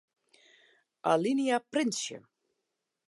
Alinea printsje.